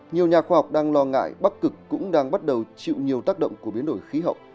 nhiều nhà khoa học đang lo ngại bắc cực cũng đang bắt đầu chịu nhiều tác động của biến đổi khí hậu